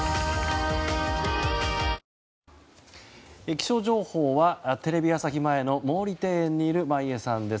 気象情報はテレビ朝日前の毛利庭園にいる眞家さんです。